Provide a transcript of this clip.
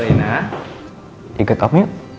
rena ikut om yuk